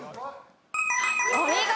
お見事！